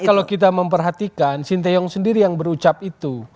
kalau kita memperhatikan sinteyong sendiri yang berucap itu